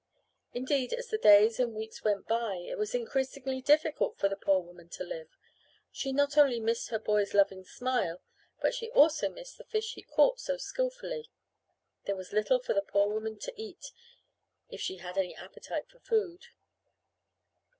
Indeed, as the days and weeks went by it was increasingly difficult for the poor woman to live. She not only missed her boy's loving smile, but she also missed the fish he caught so skillfully. There was little for the poor woman to eat if she had any appetite for food.